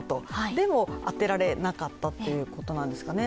でも当てられなかったということなんですかね